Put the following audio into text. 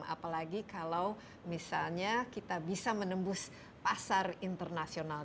apalagi kalau misalnya kita bisa menembus pasar internasional